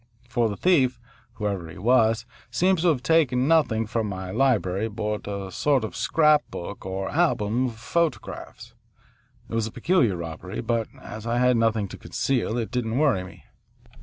For the thief, whoever he was, seems to have taken nothing from my library but a sort of scrap book or album of photographs. It was a peculiar robbery, but as I had nothing to conceal it didn't worry me.